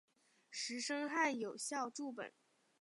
石声汉有校注本。